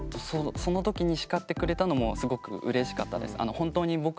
その時に叱ってくれたのもすごくうれしかったです。